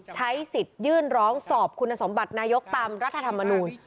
ใช้สิทธิ์ยื่นร้องสอบคุณสมบัตินายกตามรัฐธรรมนูล